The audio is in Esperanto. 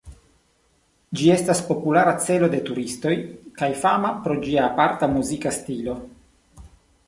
Ĝi estas populara celo de turistoj, kaj fama pro ĝia aparta muzika stilo.